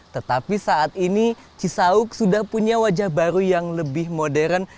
tetapi saat ini cisauk sudah punya wajah baru yang lebih modern